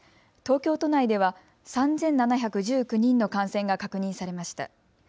東京都内では３７１９人の感染が確認されました。